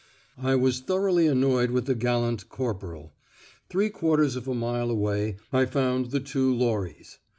I was thoroughly annoyed with the gallant corporal. Three quarters of a mile away I found the two lorries.